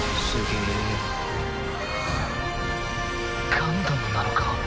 ガンダムなのか？